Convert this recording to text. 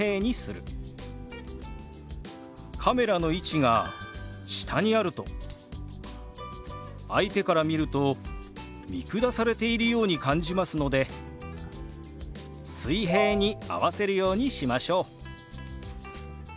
カメラの位置が下にあると相手から見ると見下されているように感じますので水平に合わせるようにしましょう。